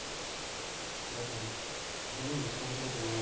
寺さん多分そうすると思うわ。